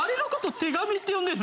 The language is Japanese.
手紙って呼んでるの？